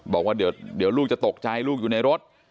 บอกว่าเดี๋ยวลูกจะตกใจลูกอยู่ในรถ